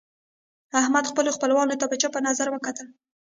احمد خپلو خپلوانو ته په چپ نظر وکتل.